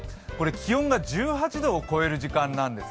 気温が１８度を超える時間なんです。